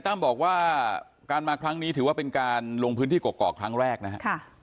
ตั้มบอกว่าการมาครั้งนี้ถือว่าเป็นการลงพื้นที่กกอกครั้งแรกนะครับ